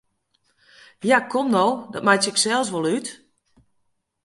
Ja, kom no, dat meitsje ik sels wol út!